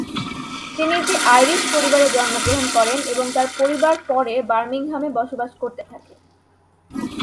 তিনি একটি আইরিশ পরিবারে জন্মগ্রহণ করেন এবং তার পরিবার পরে বার্মিংহামে বসবাস করতে থাকে।